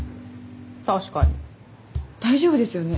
確かに大丈夫ですよね？